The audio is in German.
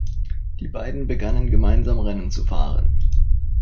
Die beiden begannen gemeinsam Rennen zu fahren.